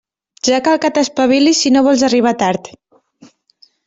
Ja cal que t'espavilis si no vols arribar tard.